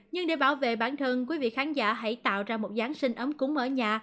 nhưng để bảo vệ bản thân quý vị khán giả hãy tạo ra một giáng sinh ấm cúng ở nhà